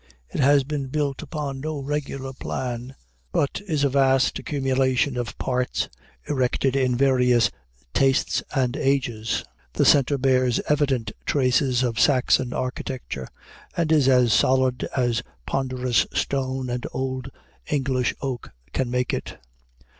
It has been built upon no regular plan, but is a vast accumulation of parts, erected in various tastes and ages. The center bears evident traces of Saxon architecture, and is as solid as ponderous stone and old English oak can make it.